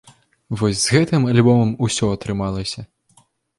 Вось з гэтым альбомам усё атрымалася.